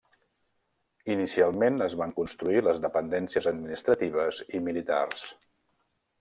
Inicialment es van construir les dependències administratives i militars.